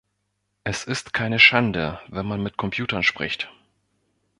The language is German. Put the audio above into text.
Es ist keine Schande, wenn man mit Computern spricht.